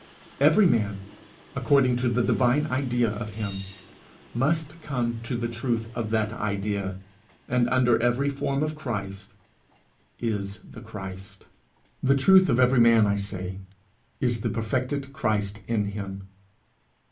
Every man, according to the divine idea of him, must come to the truth of that idea; and under every form of Christ is the Christ. The truth of every man, I say, is the perfected Christ in him.